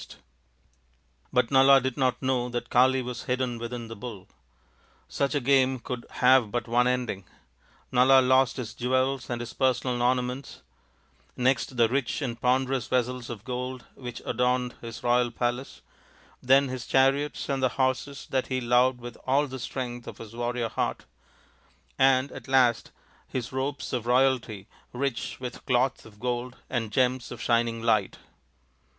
NALA THE GAMESTER 127 But Nala did not know that Kali was hidden within the " Bull "! Such a game could have but one ending ! Nala lost his jewels and his personal ornaments ; next the rich and ponderous vessels of gold which adorned his royal palace ; then his chariots and the horses that he loved with all the strength of his warrior heart ; and at last his robes of royalty, rich with cloth of gold and gems of shining light.